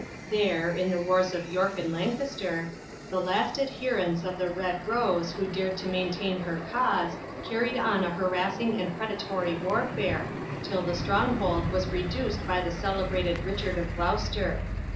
There, in the wars of York and Lancaster, the last adherents of the Red Rose who dared to maintain her cause carried on a harassing and predatory warfare, till the stronghold was reduced by the celebrated Richard of Gloucester.